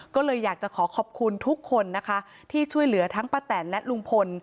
ก็เลยอยากจะขอขอบคุณทุกคนนะคะที่ช่วยเหลือทั้งป้าแตนและลุงพล